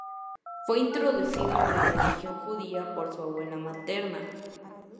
Fue introducido en la religión judía por su abuela materna.